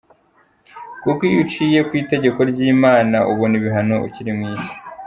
Kuko iyo uciye ku itegeko ry’Imana ubona ibihano ukiri mwisi.